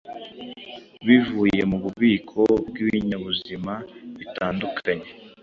bivuye mUbubiko bwibinyabuzima bitandukanye